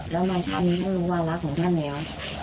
แล้วมาชาตินี้ท่านรู้วาระของท่านแล้ว